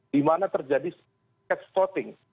di mana terjadi catch potting